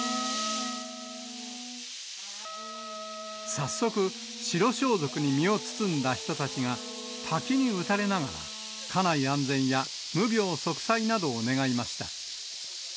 早速、白装束に身を包んだ人たちが、滝に打たれながら家内安全や無病息災などを願いました。